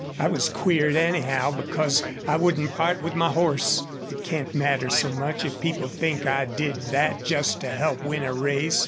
I was queered, anyhow, because I wouldn't part with my horse. It can't matter so much if people think I did that just to help win a race.